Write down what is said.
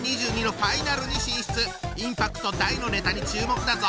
インパクト大のネタに注目だぞ！